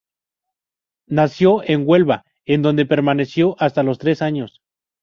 Nació en Huelva, en donde permaneció hasta los tres años.